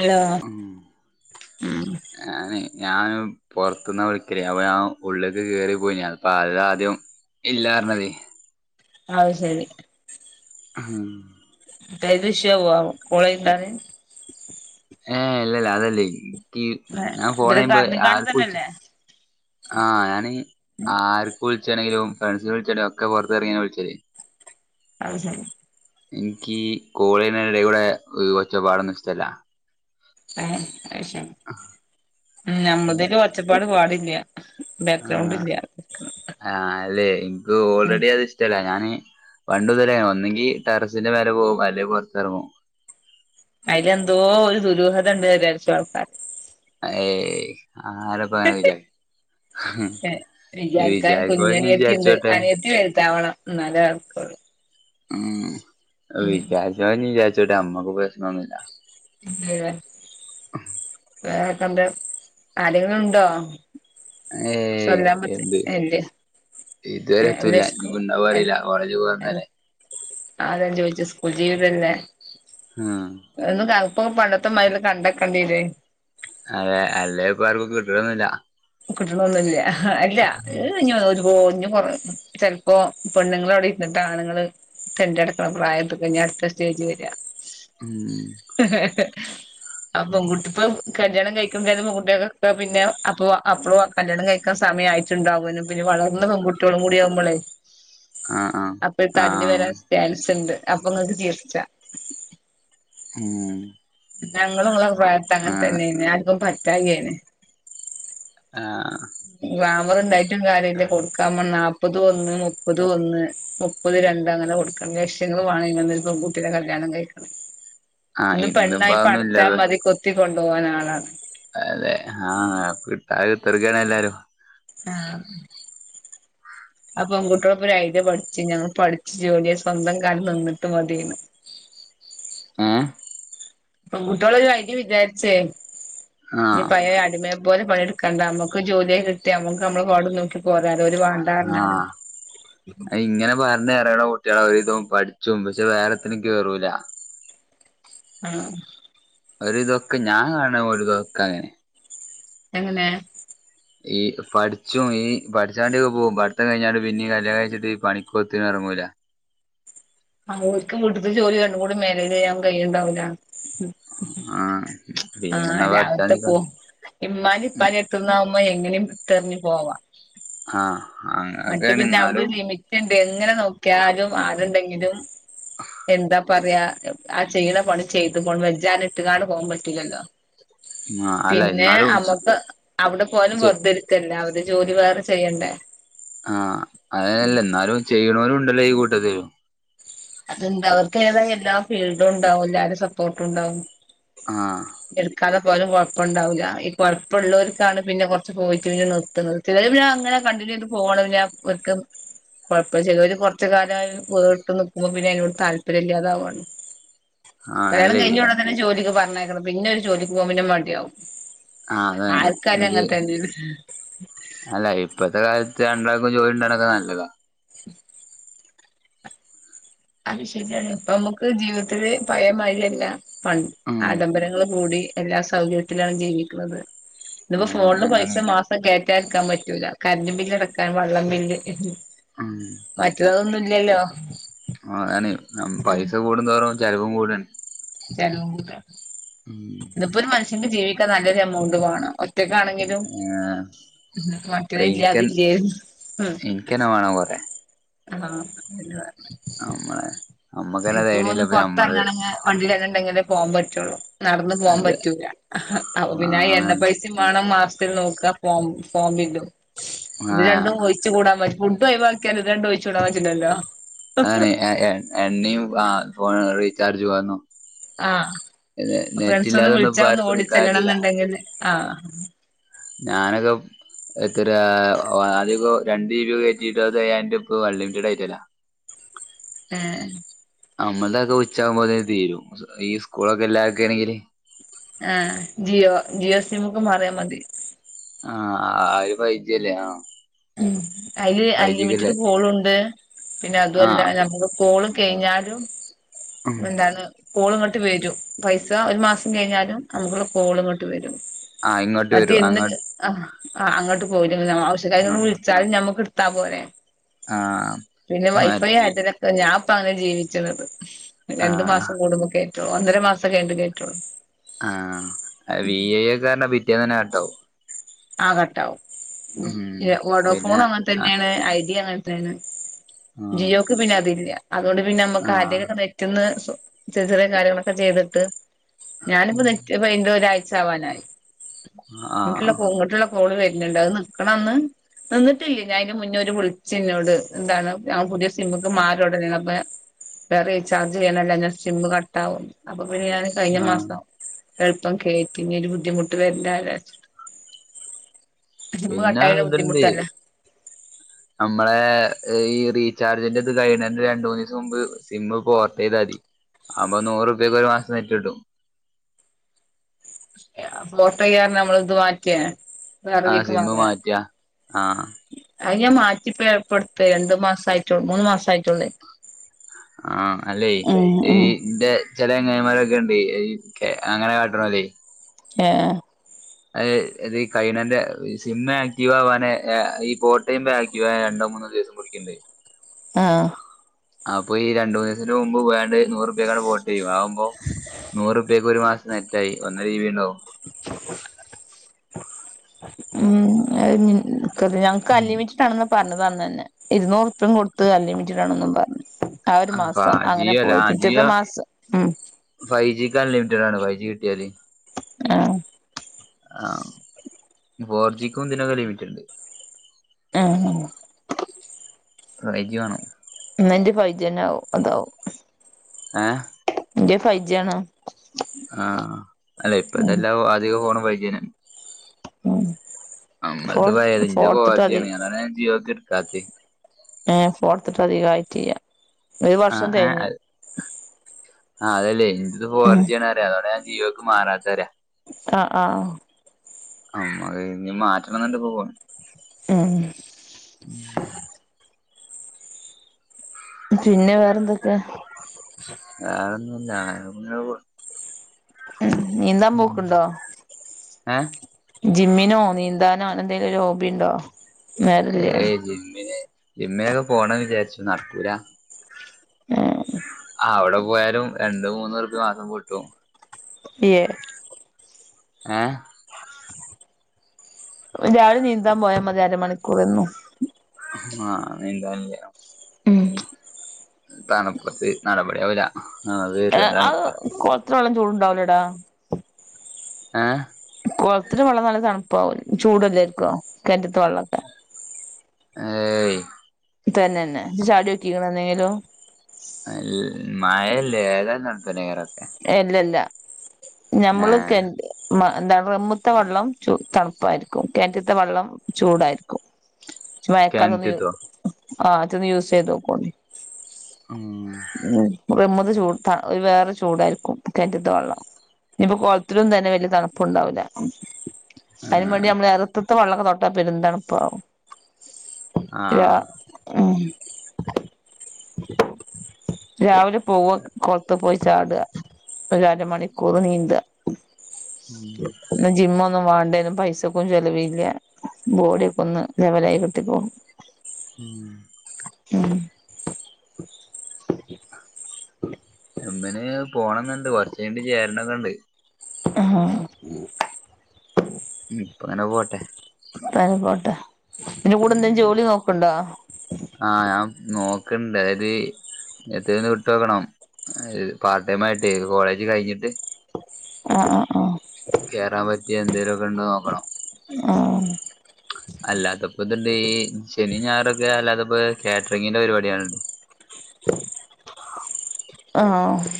Hello ആം ഉം ഞാന് ഞാന് പൊറത്തുന്നാ വിളിക്കല് അപ്പം ഞാ ഉള്ളിലേക്ക് കേറി പോയി [unintelligible] ലാദ്യം ഇല്ലാർഞ്ഞതേ അത് ശരി ആഹ് [unintelligible] കോള് കിട്ടാന് ഏഹ് ഇല്ലല്ല അതല്ലേ ൻക്കീ ഞാൻ ഫോൺ ഇവര് ചെയ്യുമ്പേ കരഞ്ഞിക്കാണ്ട് ആരൊക്കെ വിളിച്ചു തന്നെയല്ലേ ആഹ് ഞാന് ആരൊക്കെ വിളിച്ചാണെങ്കിലും ഫ്രണ്ട്സ് വിളിച്ചാണെങ്കിലും ഒക്കെ പൊറത്ത് ഇറങ്ങിയ വിളിച്ചല്. അത് ശരി എനിക്ക് കോള് ചെയ്യുന്ന എടേ കൂടെ ഒച്ചപ്പാടൊന്നും ഇഷ്ടല്ല. [unintelligible] ഉം ഞമ്മതിലും ഒച്ചപ്പാട് പാടില്ല്യ ആഹ് ആഹ് അല്ലെ എൻക്ക് ഉം ഓൾറെഡി അതിഷ് ട്ടല്ല ഞാന് പണ്ടു ഇതുപോലെ ഒന്നെങ്കി ടെറസിന്റെ മേലേ പോകും അല്ലങ്കി പൊറത്തിറങ്ങും. അയിലെന്തോ ഒരു ദുരൂഹത ഉണ്ട് വിചാരിച്ചും ആൾക്കാര് ഏയ് ആരപ്പ അങ്ങനെ വിചാരി ഏഹ് വിചാരിക്കാന് വിചാരിക്കോല് കുഞ്ഞനിയത്തി ഉണ്ട് വിചാരിച്ചോട്ടെ അനിയത്തി വലുതാവണം ന്നാലെ നടക്കുള്ളു ഉം വിചാരിച്ചവൻ വിചാരിച്ചോട്ടെ മ്മക്ക് പ്രശ്നമൊന്നുമില്ല [unintelligible] വേറൊക്കെന്താ ആരെങ്കിലുണ്ടോ? ഏയ് ശൊല്ലാം പറ്റിയ എന്ത് എയ് ല്ല ഇതുവരെ എത്തൂല്ല ഇനിപ്പോ ണ്ടാവോ അറിയില്ല കോളേജ് സ്കൂ പോക്ന്നല്ലേ അതാ ഞാൻ ചോദിച്ചത് സ്കൂൾ ജീവിതല്ലേ ആഹ ഒന്ന് കപ്പൊ പണ്ടത്ത മാരിയല്ല കണ്ടക്കണ്ടയെരോ അതെ അല്ലേ ഇപ്പ ആർക്കും കിട്ടണൊന്നില്ല കിട്ടണൊന്നുല്ല്യ അല്ല ഉം ഏ ഒരു പോഞ്ഞഞ് കൊ ചെലപ്പോ പെണ്ണുങ്ങൾ അവിടെ ഇരിന്നിട്ട് ആണുങ്ങള് തെണ്ടി നടക്കണ പ്രായം കഴിഞ്ഞ അടുത്ത സ്റ്റേജ് വരിക ഉം ആ പെൺകുട്ടിപ്പൊ കല്യാണം കഴിക്കുമണ്ടും പെൺകുട്ടിയക്കെ പിന്നെ അപ്പോ അപ്പളും ആ കല്യാണം കഴിക്കാൻ സമയ ആയിട്ടുണ്ടകാനും പിന്നെ വളർന്ന പെൺകുട്ടികളും കൂടിആകുമ്പോൾ. ആഹ് ആഹ് അപ്പൊ തല്ല് ആഹ് വരാൻ ചെൻസുണ്ട് ഉണ്ട് അപ്പൊ നിങ്ങക്ക് ചിരികാം ഉ ഞങ്ങളുംനി ങ്ങളെ പ്രായത്ത് അങ്ങനെ തന്നെയ ന്ന്‌ ആർക്കും പറ്റായായിന് ആഹ ഗ്ലാമർ ഉ ണ്ടായിട്ടും കാര്യല്ല കൊടുക്കാൻ നാല്പ്പത് ഒന്ന് മുപ്പത് ഒന്ന് മുപ്പത് രണ്ട് അങ്ങനെ കൊടുക്കണ്ട ലക്ഷങ്ങൾ വേണ ഇങ്ങ പിന്നെ കല്യാണം കഴിക്കണം ആഹ് ഇന്ന് ഇന്നിപ്പോ പെണ്ണായി പടച്ചാ അതൊന്നുല്ലല്ലോ മതി കൊത്തികൊണ്ടോവാൻ ആളാണ് അതെ ആഹ് കിട്ടാതെ കുതിരിക്കുകയാണ് എല്ലാവരും ആഹ് ആഹ് അപ്പൊ പെൺകുറ്റെളും ഒരു അത് ഐഡിയ പഠിച്ച് ഞങ്ങൾ പഠിച്ചു ജോലിയ സ്വന്തം കാലിൽ നിന്നിട്ട് മതി ആഹ് പെൺകുട്ടേളും ഒരു ഐഡിയ വിചാരിച്ചേ ആഹ് പഴേ അടിമ പോലെ പണിഡ്ക്കണ്ട നമ്മക്ക് ജോലിയൊക്കെ കിട്ടിയാ നമ്മക്ക് നമ്മളെ പാടും നോക്കി പോവാലോ ഓരു വാ ആഹ് അത് ഇങ്ങനെ പറ അറിയണ കുട്ടികളെ ഒരുവിധം പഠിച്ചും പക്ഷെ വേറെതിന് കേറൂല്ല ആഹ് ഓരു വിതമൊക്കെ ഞാൻ കാണുന്നതൊക്കെ അങ്ങനെ എങ്ങനെ? ഈ പഠിച്ചും ഈ പഠിച്ചാണ്ടേൊക്കെ ഈ പഠിച്ചൻ ഒക്കെ പോകും പഠിത്തം കഴിഞ്ഞാല് പിന്നെ കല്യാണം കൈച്ചിട്ട് പണിക്കൊത്ത ഇറങ്ങൂല ആ ഓൽക്ക് വീട്ടത്തെ ജോലി രണ്ടും കൂടി മേനേജ് ചെയ്യാൻ കൈയുന്നുണ്ടാവില്ല ആഹ് ആഹ് പിന്നെന്നാ പഠിച്ചാ രാവിൽലെ നിക്ക പോകും ഉമ്മാന്റിം ഉപ്പാന്റി എടുത്തുന്നാവുമ്പോ എങ്ങയും ഇട്ടെറിഞ്ഞു പോവാം. ആഹ് അങ്ങനൊക്കെണ് പിന്നെ അവിടെ ന്നാലും ഒരു ലിമിറ്റ് എങ്ങനെ നോക്കിയാലും ആളു ണ്ടെങ്കിലും എന്താ പറയാ ആ ചെയ്യണ പണി ചെയിതും വെജ്ജാ ഇട്ട്ങ്ങാണ്ട് പോകാൻ പറ്റില്ലല്ലോ ആഹ് അല്ല പിന്നെ എന്നാലും നമുക്ക് അവിടെ പോയാലും ചെയ് വെറുതെ ഇരിക്ക എല്ലാവരും ജോലി വേറെ ചെയ്യണ്ടേ ആഹ് അതല്ല എന്നാലും ചെയ്യണോരും ഉണ്ടല്ലോ ഈ കൂട്ടത്തില് അത്ണ്ട് അവർക്ക് ഏതായ എല്ലാ ഫീൽഡും ഉണ്ടാവും എല്ലാവരുടെയും സപ്പോർട്ടണ്ടാവും ആഹ് പോലും കുഴപ്പണ്ടാവില്ല ഈ കുഴപ്പമുള്ളവർക്കാണ് പിന്നെ കുറച്ച് പോയി കഴിഞ് നിർത്തുന്നത് ചെലര് പിന്ന അങ്ങനെ കണ്ടിന്യൂ ചെയ്ത് പോണം പിന്ന അവർക് കൊഴപ്പല്യ ചിലര് കുറച്ച് കാലമായി വീട്ടുന്നു അപ്പോ പിന്നെ അതിനോട് താല്പര്യമല്ലാതാവാണ് ആഹ് കല്യാണം അല്ലേ കഴിഞ്ഞ ഉടനെ ജോലിക്ക് പറഞ്ഞേക്കണം പിന്നെ ഒരു ജോലിക്ക് പോകാൻ മടിയാവും ആഹ് അതാണ് ആർക്കായാലും ഇത് അങ്ങനെതന്നണ് അല്ല ഇപ്പഴത്തെ കാലത്ത് രണ്ടാൾക്കും ജോലി ഉണ്ടണൊക്കെ നല്ലതാ അത് ശരിയാണ്. ഇപ്പ നമുക്ക് ജീവിതത്തില് പഴയ മാതിരി അല്ല. പൺ ഉം ആഡംബരങ്ങള് കൂടി. എല്ലാ സൗകര്യത്തിലാണ് ജീവിക്കുന്നത്. ഇന്ന്പ്പോ ആഹ് ഫോണില് അതാണ് പൈസ മാസം കേറ്റ ഇരിക്കാൻ പറ്റൂല. കറണ്ട് ബില്ല് അടക്കാൻ, വള്ളം ബില്ല് [inaudible] മറ്റുള്ളതൊന്നുംല്ലല്ലോ. ആ ആന്ന് പൈസ കൂടുംന്തോറും ചെലവും കൂടേണ്. ചെലവും കൂടാ. ഉം. ഇതിപ്പോ ഒരു മനുഷ്യന് ജീവിക്കാൻ നല്ലൊരു എമൗണ്ട് വേണം. ഒറ്റ് ആഹ്. [unintelligible] ഇല്ലാ അതില്ലേ ഉം. എനിക്കന്നെ വേണം കൊറേ ആ ഇല്ല. നമ്മളെ നമ്മക്കന്നെ ഇപ്പൊ തേണില്ല ഒന്ന് അപ്പ നമ്മള് പൊറത്തണങ്ങണങ്ങെ, വണ്ടിൽ എണ്ണ ഉണ്ടെങ്കിലേ പോകാൻ പറ്റുള്ളൂ. നടന്നു പോകാൻ അതെ പറ്റൂല്ല. അപ്പൊ പിന്നെ ആ ആഹ് എണ്ണ പൈ സേം മാണം മാസ്ത്തിൽ നോക്ക ഫോ ഫോൺ ബില്ലും. ഇത് ആഹ് രണ്ടും [unintelligible] ച്ചു കൂടാൻ പറ്റു, ഫുഡ്‌ ഒഴിവാക്കിയാലും ഇത് രണ്ടും ഒഴിച്ച് കൂടാൻ പറ്റുലല്ലോ. ആണ് എണ്ണയും ആ ഫോൺ റീചാർജും ആന്നു. ആ ഫ്രണ്ട്സ് ഒന്ന് നെറ്റില്ലാതൊന്നും ഇപ്പ വിളിച്ചാ ഒന്ന് ആർക്കും നിക്കാൻ ഓടിച്ചെല്ലണം പറ്റൂല എന്നുണ്ടെങ്കില്, ആ ഞാനൊരു എത്ത്റാ ആദ്യ ക്കൊ, രണ്ട് രൂപക്ക് കയറ്റിട്ട് അത് [unintelligible] രൂപക്ക് അൺ ലിമിറ്റഡ് ആയിട്ടല്ലാ. ഏഹ്. നമ്മളത് ഉച്ചാകുമ്പോ അത് തീരും. ഈ സ്കൂളൊക്കെ ഇല്ലാരിക്ക ആണെങ്കില്. ആ ജിയോ ജിയോ സിംക്ക് മാറിയ മതി. ആഹ് ആ അത് ഫൈവ് ജി അല്ലെ ആ. ഉം അതില് അൺലിമിറ്റഡ് കോള് ഉണ്ട്. പിന്നെ അതുവല്ല ആഹ് നമ്മള് കോള് കഴിഞ്ഞാലും എന്താണ്, കോള് ഇങ്ങട്ട് വരും. പൈസ ഒരു മാസം കഴിഞ്ഞാലും നമുക്കുള്ള കോള് ഇങ്ങട്ട് വരും. ആഹ് ഇങ്ങോട്ട് മറ്റേ വരൂ ഇന്ന് അങ്ങോ ആഹ് ആ അങ്ങോട്ട് പോവലില്ല ആവശ്യ കാര് ഒന്ന് വിളിച ചാലും നമ്മക്ക് എട്ത്താ പോരെ. ആഹ് പിന്നെ വൈഫൈ മതി. ആയ്ട്ടിള്ള ഞാൻ പ്പ അങ്ങനെ ജീവിച്ചത്. രണ്ട് ആഹ് മാസ് ത്ത കൂടുമ്പോ കേറ്റോള്ളൂ, ഒന്നര മാസം കഴിഞ്ഞിട്ട് കേറ്റുള്ളൂ. ആഹ് വി ഐ ഒക്കെ ആനെ പിറ്റേന്ന് തന്നെ കട്ട്‌ ആവും. ആ കട്ടാവും. ഉം വോഡോഫോൺ പിന്നെ അങ്ങനെ ആഹ് തന്നെണ് ഐഡിയ അങ്ങനത്തന്നെ. ആഹ് ജിയോക്ക് പിന്നെ അതില്ല. അതുകൊണ്ട് പിന്നെ നമ്മ [unintelligible] ക്ക് ആര്ടേ ആഹ് റ്റ്ന്ന് സൊ ചെറി ചെറിയ കാര്യങ്ങളൊക്കെ ചെയ്തിട്ട്, ഞാനിപ്പോ നെറ്റ് [unintelligible] ഒരാഴ്ച ആവാനായി. ആഹ്. ഇങ്ങോട്ടുള്ള കോള് വരുണുണ്ട് അത് നിൽക്കണ അന്ന്, നിന്നിട്ടില്ല ഞാൻ ഇയ്ന് മുന്നേ ഒര് വിളിച് നോട്. എന്താണ് ഞൻ പുതിയ സിംമക്ക് മാറിയ ഒടനേണ് അപ്പേ, വേറെ റീചാർജ് ചെയ്യാനല്ല ഞൻ സിമ്മ് കട്ട് ആവും. അപ്പൊ പിന്നെ ഞാൻ കഴിഞ്ഞ ആഹ് മാസം എളുപ്പം കേറ്റി ഇനി ഒരു ബുദ്ധിമുട്ട് വരണ്ടാല്ലോ വച്ച്. പിന്നാ കട്ടായാലും ഇതുണ്ട്, ബുദ്ധിമുട്ടല്ലേ നമ്മടേ ഈ റീചാർജിന്റെ ഇത് കഴിണന്റെ രണ്ട് മൂന്ന് ദിവസം മുമ്പ് സിമ്മ് പോർട്ട് ചെയ്താതി. അപ്പൊ നൂറ് റുപ്പിയക്ക് ഒരു മാസത്തെ നെറ്റ് കിട്ടും. പോർടയാന്ന് നമ്മള് ഇത് മാറ്റിയെ. ആഹ് സിമ്മ് മാറ്റിയാ ആഹ്. അയ്ന് ഞാൻ മാറ്റി ഇപ്പ പ്പ ടുത്തെ രണ്ടു മാസം ആയിട്ടുള്ളൂ, മൂന്നു മാസം ആയിട്ടുള്ളേ. ആഹ് അല്ലെ ഈ ഉം ന്റെ, ചെല ചെങ്ങായിമാര്ക്കെണ്ട് എയ് അങ്ങനെ കാട്ട്ണോല്. ഏഹ്. അ ഇത് ഈ കൈനന്റെ സിം ആക്ടീവ ആവാന്, ഈ പോട്ടൈമ് ആക്ടീവ് ആവാൻ രണ്ടോ മൂന്നോ ദിവസം പി പ്ടിക്കൺണ്ടേ ആഹ് അപ്പൊ ഈ രണ്ടൂന്നസത്തിന് മുമ്പ് വേണ്ടേര്ന്നു നൂറുപ്യക്കണ്ട് പോർട്ടിയ്യ്യാ ആവുമ്പോ നൂറുപ്യക്ക് ഒരു മാസ്നെറ്റായി ഒന്നര ജി ബിണ്ടാവും ഉം എയ്ഞിൻക്കറിയാം ക്കല്ലിമിറ്റ്ഡാണന്ന് പർഞ്ഞത് അന്ന ന്നെ ഇരുന്നൂറുപിംകൊടുത്ത്‌ അൻലിമിറ്റഡാണെന്നും പർഞ്ഞു ആഹ് ഒര് അപ്പൊ മാസം അങ്ങനെ ജിയോ പോയി പിറ്റത്തെ മാസ ഉം ഫൈ ജി ക്ക് അൺലിമിറ്റഡാണ് ഫൈ ജി കിട്ട്യാല് ആഹ് ആഹ് ഫോർജീക്കും ഇതിനൊക്കെ ലിമിറ്റ്ണ്ട് ആഹ് ഫൈജിവാണം ന്നന്റെ ഫൈജ്യന്ന്യാവും അതാവും ആഹ് ന്റെ ഫൈജ്യാണ് ആഹ് അല്ല ഉം ഇപ്പത്തല്ലാം ഒ അധിക ഫോണും ഫൈജ്യന്നെ ഉം ഫോർ അമ്മൾത് പയേത് ഇന്റെ ഫോർത്തിട്ട് അധിക ഫോർജ്യാണ് അതാണ് ജിയോക്ക് ട്ക്കാത് ഏ ഫോൺത്ത്ട്ട് അധികായ്റ്റിയ്യ ആഹ് ഏ അഅ് ആഹ് അതല്ലേ ഇൻ്റത് ഉം ഫോർജിയാണ് ട്ടെ അതോണ്ടാഞാ ജി യോക്ക് മാറാത്ത് അറ്യ അഹ് ആഹ് ആഹ് അമ്മ ഇഞ് മാറ്റണംന്ന്ണ്ട് ഫോൺ ചേ [inaudible] പിന്നെ വേറെ എന്തൊക്കെ വേറൊന്നുല്യ ഞാനങ്ങനെ പോണ് ഉം നീന്താമ്പോക്ക്ണ്ടോ ഏ ജിമ്മിനോ നീന്താനോ എന്തെലൊര് ഹോബി ഉണ്ടോ വേറെന്തേ ജിമ്മിന് ജിമ്മിനക്കെ പോണന്ന് വിജാര്ച്ചു നടക്കൂലാ ഏഹ് അവ്ടെ പോയാലും രണ്ടു മൂന്നൂർപ്യ മാസം പൊട്ടും ഏ ഏ രാവിലെ നീന്താമ്പോയാമതി അരമണിക്കൂർ എന്നും ആഹ് നീന്താൻല്ലേ ഉം തണുപ്പത്ത് നടപടി ആവുല ഏ അഹ് കൊൾത്തിലെ വള്ളം ചൂട്ണ്ടാവുലടാ ഏ കൊൾത്തിലെ വള്ളം നല്ല തണുപ്പാവു ചൂടെല്ലായിര്ക്കൊ കെൻറ്റ്ത്തെ വള്ളം ഏയ് തന്നെന്നെ ഇജ് ചാട്യോക്കിക്ക്ണോ ന്നേലും അൽ മയല്ലേ ഏതായലും തൺ പ്പെന്നൈക്കാരം ഒക്കെ എല്ലല്ലാ ഞമ്മൾക്കെൻറ്റി മ എന്താൺ ട്രമ്മ്ത്തെ വള്ളം ചോ തൺപ്പായിര്ക്കും കെൻറ്റ്ത്തെ വള്ളം ചൂടായിര്ക്കും വൈൽ കാൽതൊന്ന് യൂ കിണറ്റത്തോ അഹ് അതൊന്ന് യൂസീ തോക്കോണ്ടി ആഹ് ഉം റമ്മ്ത്തെചൂട് തൺ ഒര് വേറെ ചൂടായ്ര്ക്കും കെൻറ്റ്ത്തെ വള്ളം ഇഞിപോ കൊൾത്തിലും തന്നെ വല്യയ തൺപ്പുണ്ടാവുല ആ അയിനും മാണ്ടി ഞമ്മള് എറത്ത്ത്തെ വള്ളക്കെ തൊട്ടാ പെരും തണ്പ്പാവും ആ അഹ് രാവിലെ പോവ കൊൾത്ത് പോയി ചാടെ ഒര അരമണിക്കൂറ് നീന്ത ഉം. ന്നാ ജിമ്മൊന്നും വാണ്ടേനും പൈസക്കും ചെലവില്ല്യ ബോഡിയൊക്കൊന്ന് ലെവലായി കിട്ടികോളും. ഉം മ് ജ്മ്മ്ന് പോണന്ന്ണ്ട് കൊർച്ചയ്ഞ്ഞിട്ട് ചേര്ണെക്കെണ്ട് ആഹ് ഇപ്പെങ്ങെനെ പോട്ടെ ഇപ്പങ്ങനെ പോട്ടെ ഇതിന്റെ കൂടെന്തേം ഉം ജോലി നോക്ക്ണ്ടോ? ആഹ് ഞാ നോക്ക്ണ്ട് അതായത് എത്തേലൊന്ന് കിട്ടോകണം പാർടേമായിട്ടെ കോളേജ് കഴിഞ്ഞിട്ട് ആഹ് ആഹ് അഹ് കോറാം പറ്റിയ എന്തേലൊക്കെ ഇണ്ടോ നോക്കണം. ആഹ് അല്ലാത്തപ്പെത്ണ്ട് ശനിം ഞായറൊക്കെ അല്ലാത്തപ്പെ കേട്രിങ്ങിന്റെ പരിപാടിയള്ണ്ട് ആഹ്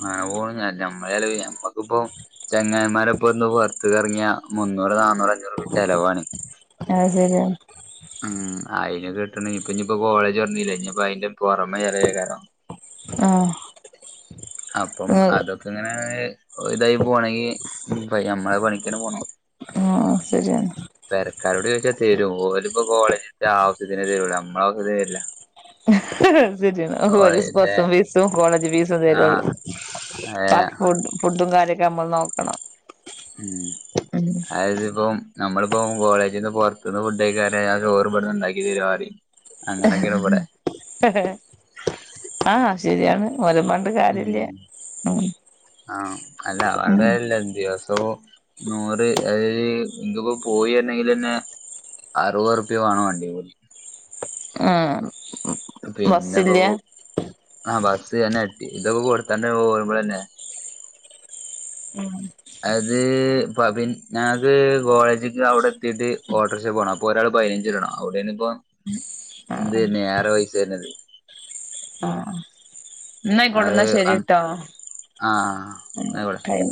മ് അഹോണ്ടാന്നല്ല ഞമ്മളേല് ഞമ്മക്ക്പ്പോ ചെങ്ങായിമാരെപ്പൊന്ന് പൊറത്ത്ക്കെറങ്ങിയ മുന്നൂറ് നാന്നൂറ് അഞ്ഞൂറ്ക്കെ ചെലവാണ് അഹ് സെരിയാണ് ഉം അയിന് കിട്ടണെ ഇപ്പഞ്പ്പോ കോളജ് തൊറന്നിലെ ഇഞ്പ്പയിന്റെ പൊറമെ ചെലവയ്ക്കാരം ആഹ് അപ്പം അതൊക്കെങ്ങനെ ഇതായി പോണെങ്കി നമ്മള് പണിക്കെന്നെ പോണം ആഹ് ആഹാ സെരിയാണ് പെരക്കാരോട് ചോയ്ച്ചാ തെരും ഓല്പ്പ്പം കോളേജിത്തെ ആവുസ്യത്തിനെ തെരൊള്ളൂ ഞമ്മളെ ആവുസ്യത്തിന് തെര്ല്ല അത് സെരിയാണ് ഓര് കോളേജിത്തെ ബസ്സും ഫീസും, കോളേജ് ഫീസും തെരൊള്ളു അഹേ ഫുഡു ഫുഡും കാര്യക്കെ ഞമ്മള് നോക്കണം ഹ്മ്മ് അതായത്പ്പം നമ്മള്പ്പം കോളേജിന്ന് പൊർത്ത്ന്ന് ഫുഡയ്കഴിക്കാനാറഞ്ഞാ ആ ചോറ്ബട്ന്ന് ഇണ്ടാക്കിതെരന്നറിം ആഹ് ശെരിയാണ് ഓലെം പർ മ് ആഹ് അല്ല ഉം പർഞ്ട്ടാര്യല്ല ദിവ സൊ നൂറ് അതായത് ഇന്ക്ക്പ്പോ പോയെര്ന്നെങ്കിലെന്നെ അറുവൊർപ്പ്യ മാണം വണ്ടിക്കൂലി ആഹ് പിന്നെപ്പോ ബസ്സില്ല ആ ബസ്സെന്നെ ഇതൊക്കെ കൊട്ത്താണ്ട് പോകുമ്പളെന്നെ ഉം അത് പ [unintelligible] ഞങ്ങക്ക് കോളേജ്ക്ക് ഔടെത്തിട്ട് ഓട്ടർഷെ പോണം പ്പൊരാള് പയിനഞ്ചിടണം ഔടേണ്പ്പം [inaudible] എന്ത് വെര്ന്നെ ഏറെ പെയ്സെര്ന്നത് ആഹ് ന്നായിക്കോട്ടെ അത് ന്നാ ആഹ് ശരിട്ടോ ഹാ ന്നായ്ക്കോട്ടെ ടൈം